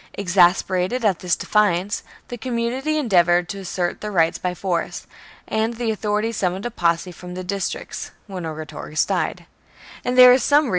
Exasperated at this defiance, the community endeavoured to assert their rights by force, and the authorities summoned a posse from the dis tricts, when Orgetorix died ; and there is some ^ Or, perhaps, " the chief magistracy.